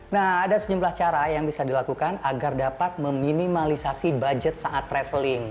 nah ada sejumlah cara yang bisa dilakukan agar dapat meminimalisasi budget saat traveling